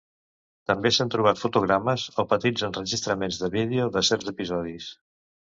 També s'han trobat fotogrames o petits enregistraments de vídeo de certs episodis.